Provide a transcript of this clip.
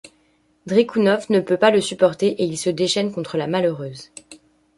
Dtrykhounov ne peut pas le supporter et il se déchaîne contre la malheureuse.